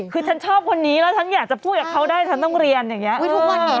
คือฉันชอบคนนี้แล้วฉันอยากจะพูดกับเขาได้ฉันต้องเรียนอย่างนี้ทุกวันนี้